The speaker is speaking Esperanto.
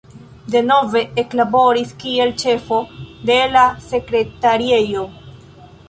Denove eklaboris kiel ĉefo de la sekretariejo.